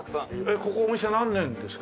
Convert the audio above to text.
えっここお店何年ですか？